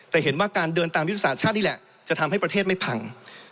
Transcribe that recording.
แต่เห็นว่าการเดินตามยุทธศาสตร์ชาตินี่แหละจะทำให้ประเทศไม่พัง